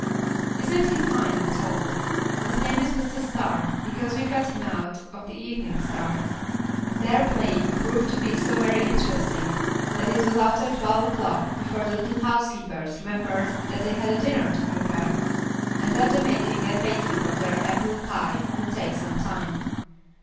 Isn't he fine and tall? His name is Mr. Star, because we cut him out of the Evening Star." Their play proved to be so very interesting that it was after twelve o'clock before the little housekeepers remembered that they had a dinner to prepare, and that the making and baking of their apple pie would take some time.